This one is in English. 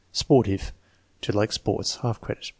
Sportive. "To like sports." (Half credit.)